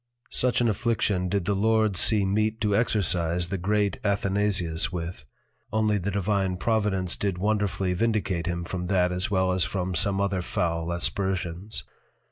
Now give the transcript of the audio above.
Such an Affliction did the Lord see meet to exercise the great Athanasius with only the Divine Providence did wonderfully vindicate him from that as well as from some other foul Aspersions.